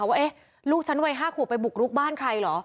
ว่าลูกฉันวัย๕ขวบไปบุกรุกบ้านใครเหรอ